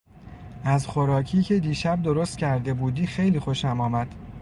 از خوراکی که دیشب درست کرده بودی خیلی خوشم آمد.